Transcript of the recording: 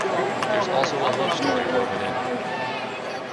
There's also a love story woven in.